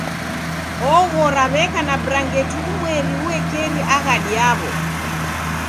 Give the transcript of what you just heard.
Oghora w'eka na brangeti umweri uekeri aghadi yaw'o